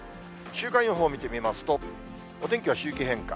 週間予報を見てみますと、お天気は周期変化。